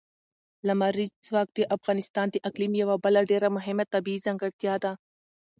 لمریز ځواک د افغانستان د اقلیم یوه بله ډېره مهمه طبیعي ځانګړتیا ده.